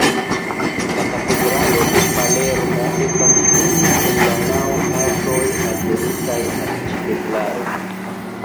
La katedralo de Palermo estas unu el la naŭ aĵoj aldonitaj al ĉi deklaro.